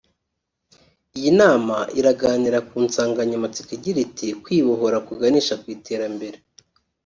Iyi nama iraganira ku nsangamatsiko igira iti “Kwibohora kuganisha ku Iterambere